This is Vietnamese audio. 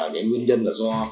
nguyên nhân là do